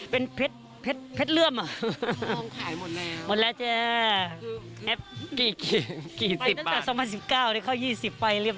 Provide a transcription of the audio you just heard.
เป็นเพชรเลือมเหรอฮ่าทองขายหมดแล้ว